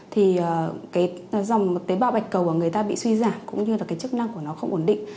thì cái dòng tế bào bạch cầu của người ta bị suy giảm cũng như là cái chức năng của nó không ổn định